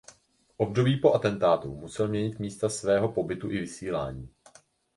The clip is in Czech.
V období po atentátu musel měnit místa svého pobytu i vysílání.